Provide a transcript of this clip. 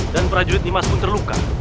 dan prajurit nimas pun terluka